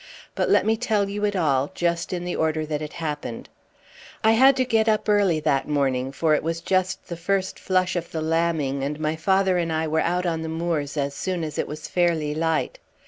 But let me tell you it all, just in the order that it happened. I had to get up early that morning; for it was just the first flush of the lambing, and my father and I were out on the moors as soon as it was fairly light.